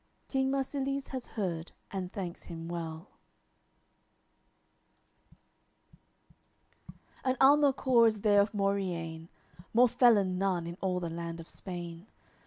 King Marsilies has heard and thanks him well. AOI. LXXIII An almacour is there of Moriane, More felon none in all the land of Spain.